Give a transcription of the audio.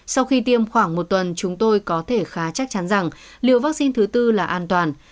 sau khi tiêm khoảng một tuần chúng tôi có thể khá chắc chắn rằng liệu vắc xin thứ tư là an toàn